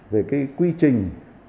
về cái quy trình